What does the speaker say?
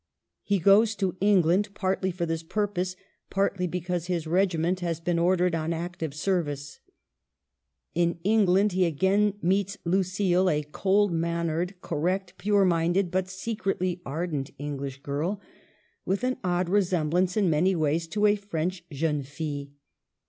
He goes to England, partly for this purpose, partly because his regiment has been ordered on active service. In England he again meets Lucile, a cold mannered, correct, pure minded, but secretly ardent English girl, with an odd resemblance in many ways to a French jeune fille.